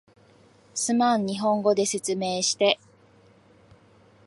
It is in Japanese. すまん、日本語で説明して